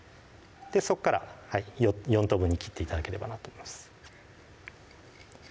そこから４等分に切って頂ければなと思います